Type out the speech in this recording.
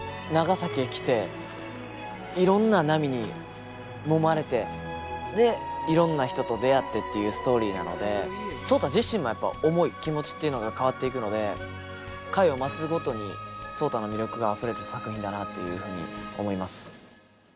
長崎へ来ていろんな波にもまれてでいろんな人と出会ってっていうストーリーなので壮多自身もやっぱ思い気持ちっていうのが変わっていくので回を増すごとに壮多の魅力があふれる作品だなというふうに思います。